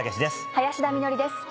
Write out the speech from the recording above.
林田美学です。